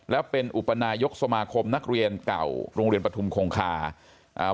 แล้วเป็นอุปนายกสมาคมนักเรียนเก่าโรงเรียนปฐุมคงคาอ่า